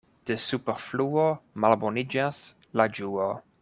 De superfluo malboniĝas la ĝuo.